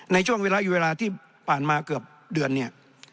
ในช่วงเวลาอยู่เวลาที่ผ่านมาเกือบเดือนเนี่ย